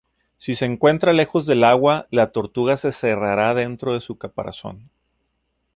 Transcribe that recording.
Si se encuentra lejos del agua, la tortuga se cerrará dentro de su caparazón.